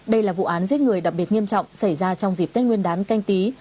đây là vụ án giết người đặc biệt nghiêm trọng xảy ra trong dịp tết nguyên đán canh tí